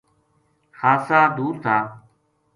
خاصا دُور تھا